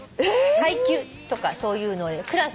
階級とかそういうのをクラス。